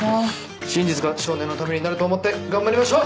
真実が少年のためになると思って頑張りましょう。